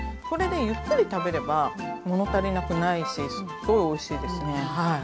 これでゆっくり食べれば物足りなくないしすっごいおいしいですね。